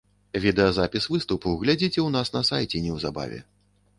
Відэазапіс выступу глядзіце ў нас на сайце неўзабаве.